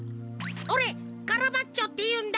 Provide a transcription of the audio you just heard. オレカラバッチョっていうんだ！